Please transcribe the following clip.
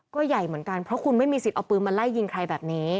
ก็ใหญ่เหมือนกันเพราะคุณไม่มีสิทธิ์เอาปืนมาไล่ยิงใครแบบนี้